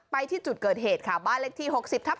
ไปที่จุดเกิดเหตุค่ะบ้านเลขที่๖๐ทับ๑